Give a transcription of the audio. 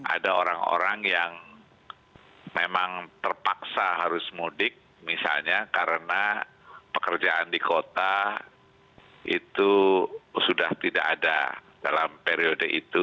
ada orang orang yang memang terpaksa harus mudik misalnya karena pekerjaan di kota itu sudah tidak ada dalam periode itu